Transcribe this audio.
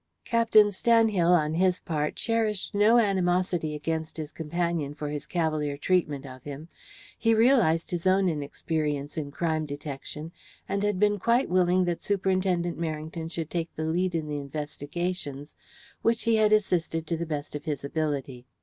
Captain Stanhill, on his part, cherished no animosity against his companion for his cavalier treatment of him. He realized his own inexperience in crime detection, and had been quite willing that Superintendent Merrington should take the lead in the investigations, which he had assisted to the best of his ability.